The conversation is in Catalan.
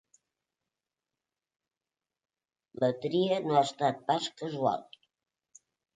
La tria no ha estat pas casual.